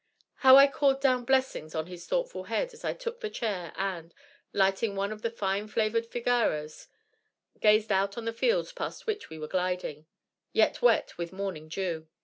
How I called down blessings on his thoughtful head as I took the chair and, lighting one of the fine flavored figaros, gazed out on the fields past which we were gliding, yet wet with morning dew.